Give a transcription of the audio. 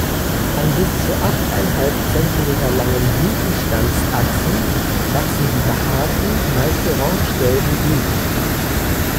An bis zu achteinhalb Zentimeter langen Blütenstandsachsen wachsen die behaarten, meist orangegelben Blüten.